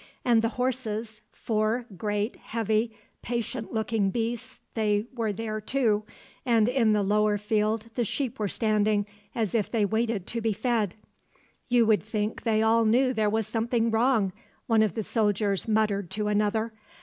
And the horses; four great, heavy, patient looking beasts they were there too, and in the lower field the sheep were standing, as if they waited to be fed. "You would think they all knew there was something wrong," one of the soldiers muttered to another.